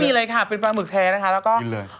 ไม่มีเลยค่ะเป็นปลาหมึกแท้นะคะแล้วก็